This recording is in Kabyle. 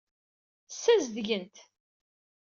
Ssazedgen-t.